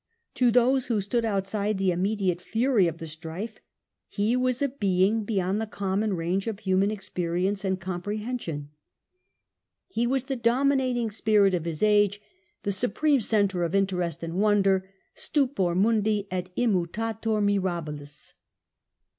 To those who stood outside the immediate fury of the strife he was a being beyond the common range of human experience and comprehension. He was STUPOR MUNDI 285 the dominating spirit of his age, the supreme centre of interest and wonder, stupor mundi et immutator mirabilis.